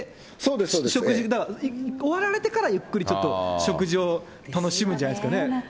食事、だから終わられてから、ゆっくりちょっと、食事を楽しむんじゃないですかね。